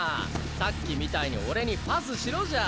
さっきみたいに俺にパスしろじゃ！